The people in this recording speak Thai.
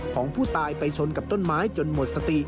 ของผู้ตายไปชนกับต้นไม้จนหมดสติ